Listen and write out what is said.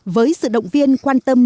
với sự động viên quan tâm